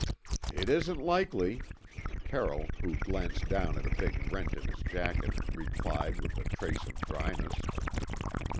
"It isn't likely," Carroll, who glanced down at a big rent in his jacket, replied with a trace of dryness.